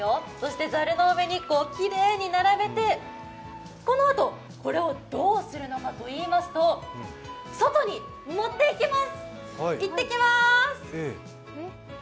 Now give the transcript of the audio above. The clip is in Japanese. ざるの上にきれいに並べてこのあとこれをどうするのかといいますと外に持っていきます、いってきまーす！